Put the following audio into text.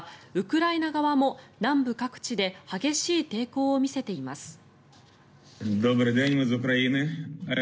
ウクライナ側も南部各地で激しい抵抗を見せています。